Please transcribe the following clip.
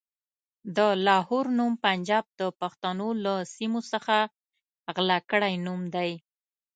د لاهور نوم پنجاب د پښتنو له سيمو څخه غلا کړی نوم دی.